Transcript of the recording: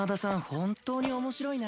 本当に面白いね。